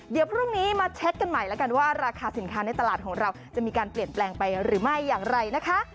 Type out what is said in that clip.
เดี๋ยวพรุ่งนี้มาเช็คกันใหม่แล้วกันว่าราคาสินค้าในตลาดของเราจะมีการเปลี่ยนแปลงไปหรือไม่อย่างไรนะคะ